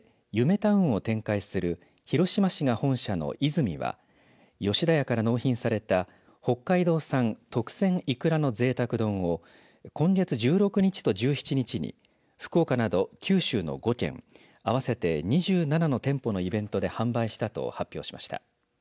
タウンを展開する広島市が本社のイズミは吉田屋から納品された北海道産特選いくらの贅沢丼を今月１６日と１７日に福岡など九州の５県合わせて２７の店舗のイベントで販売したと発表しました。